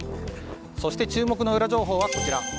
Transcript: そして、注目のウラ情報はこちら。